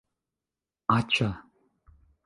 -Aĉa-